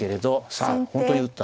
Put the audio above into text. さあ本当に打った。